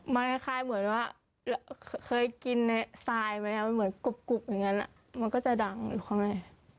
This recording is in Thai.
มันคล้ายเหมือนว่าเคยกินในทรายไหมมันเหมือนกรุบอย่างนั้นมันก็จะดังอยู่พ่อแม่